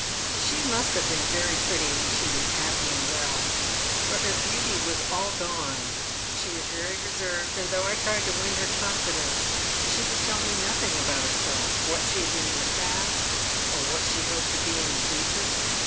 She must have been very pretty when she was happy and well, but her beauty was all gone. She was very reserved, and though I tried to win her confidence, slie would tell me nothing about herself — what sha had been in the past, or what she hoped to be in the future.